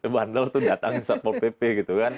bandel itu datang di satpol pp gitu kan